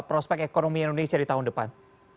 prospek ekonomi indonesia di tahun depan